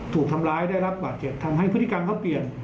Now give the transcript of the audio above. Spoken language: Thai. ถูกทำร้ายได้รับกว่าเจ็บทำให้พุทธิกังเขาเปลี่ยน